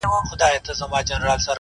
هر څه لاپي چي یې کړي وې پښېمان سو.!